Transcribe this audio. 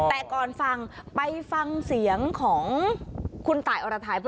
แต่ก่อนฟังไปฟังเสียงของคุณตายอรไทย